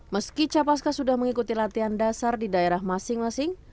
meski capaska sudah mengikuti latihan dasar di daerah masing masing